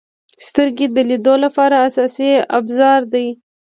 • سترګې د لیدلو لپاره اساسي ابزار دي.